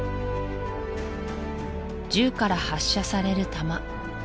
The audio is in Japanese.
銃から発射される弾